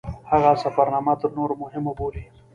هغه سفرنامه تر نورو مهمه بولي.